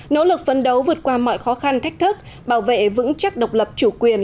nỗ lực phấn đấu vượt qua mọi khó khăn thách thức bảo vệ vững chắc độc lập chủ quyền